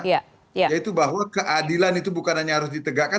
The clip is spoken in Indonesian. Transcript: yaitu bahwa keadilan itu bukan hanya harus ditegakkan